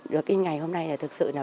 được in ngày hôm nay là thực sự là